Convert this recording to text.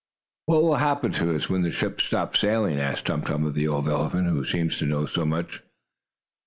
"What will happen to us, when the ship stops sailing?" asked Tum Tum of the old elephant, who seemed to know so much.